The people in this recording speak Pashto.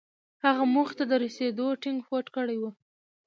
هغه موخې ته د رسېدو ټينګ هوډ کړی و.